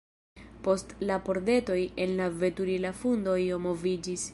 Post la pordetoj en la veturila fundo io moviĝis.